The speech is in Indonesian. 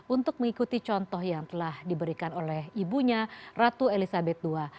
untuk mengikuti contoh yang telah diberikan oleh ibunya ratu elizabeth ii